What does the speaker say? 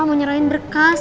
mau nyerahin berkas